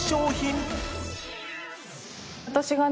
私がね